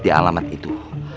di alamat itu